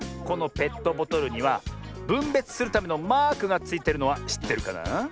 このペットボトルにはぶんべつするためのマークがついてるのはしってるかなあ？